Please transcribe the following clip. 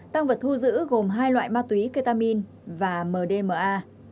tăng vật thu giữ gồm hai loại ma túy ketamin và mdma